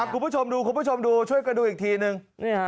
คุณผู้ชมดูคุณผู้ชมดูช่วยกันดูอีกทีนึง